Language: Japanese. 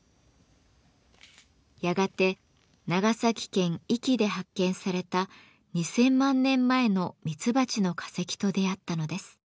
やがて長崎県壱岐で発見された２，０００万年前のミツバチの化石と出会ったのです。